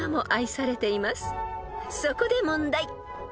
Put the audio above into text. ［そこで問題］